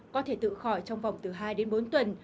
có thể tự khỏi trong vòng từ hai đến bốn tuần